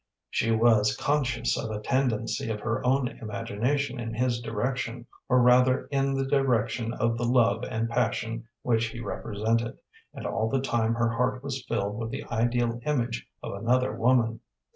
She was conscious of a tendency of her own imagination in his direction, or rather in the direction of the love and passion which he represented, and all the time her heart was filled with the ideal image of another woman.